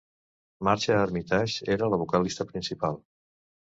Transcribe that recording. Marsha Armitage era la vocalista principal.